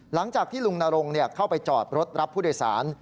หลังจากที่ลุงนรงเข้าไปจอดรถรับผู้โดยสาร